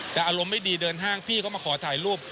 แต่อารมณ์ไม่ดีเดินห้างพี่เขามาขอถ่ายรูป